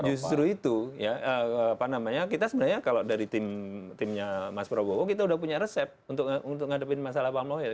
justru itu kita sebenarnya kalau dari timnya mas prabowo kita udah punya resep untuk ngadepin masalah palm oil